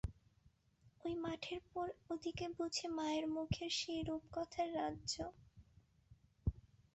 ওই মাঠের পর ওদিকে বুঝি মায়ের মুখের সেই রূপকথার রাজ্য?